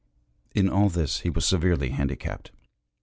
In all this he was severely handicapped.